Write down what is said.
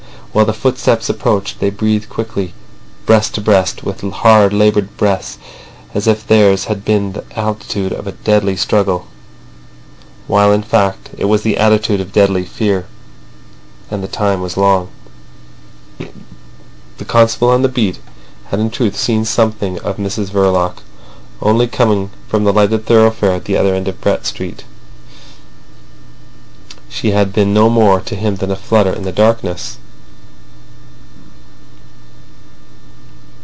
While the footsteps approached, they breathed quickly, breast to breast, with hard, laboured breaths, as if theirs had been the attitude of a deadly struggle, while, in fact, it was the attitude of deadly fear. And the time was long. The constable on the beat had in truth seen something of Mrs Verloc; only coming from the lighted thoroughfare at the other end of Brett Street, she had been no more to him than a flutter in the darkness.